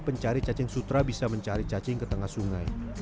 pencari cacing sutra bisa mencari cacing ke tengah sungai